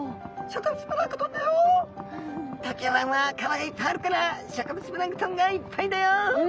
東京湾は川がいっぱいあるから植物プランクトンがいっぱいだよ。